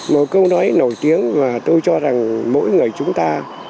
một câu nói nổi tiếng mà tôi cho rằng mỗi người chúng ta